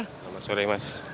selamat sore mas